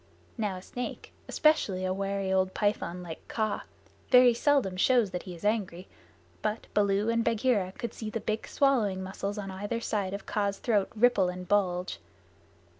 Now a snake, especially a wary old python like Kaa, very seldom shows that he is angry, but Baloo and Bagheera could see the big swallowing muscles on either side of Kaa's throat ripple and bulge.